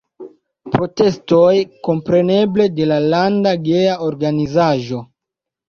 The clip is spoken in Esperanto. Protestoj, kompreneble, de la landa geja organizaĵo.